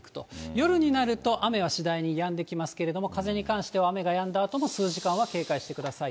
夜になると、雨は次第にやんできますけれども、風に関しては雨がやんだあとも数時間は警戒してください。